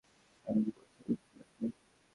আমি যা বলছি বুঝতে পারছ?